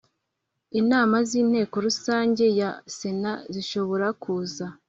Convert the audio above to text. Inama z Inteko Rusange ya Sena zishobora kuza